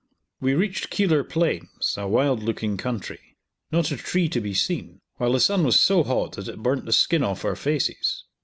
We reached Keilor Plains, a wild looking country; not a tree to be seen, while the sun was so hot that it burnt the skin off our faces.